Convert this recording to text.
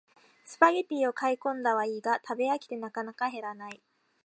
スパゲティを買いこんだはいいが食べ飽きてなかなか減らない